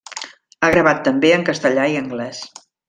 Ha gravat també en castellà i anglès.